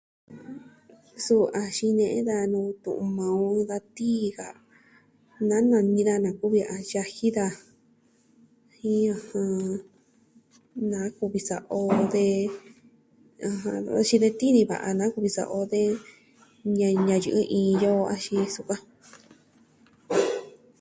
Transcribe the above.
Suu a xine'e daja nuu tu'un maa on vi da tii ka, na nani daja na kuvi a yaji da, jin ɨjɨn, na kuvi sa'a o, de axin de tii niva'a, nba kuvi sa'a o, de ñayɨ'ɨ iin yo axin da sukuan.